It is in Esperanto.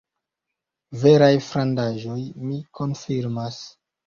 Veraj frandaĵoj, mi konfirmas.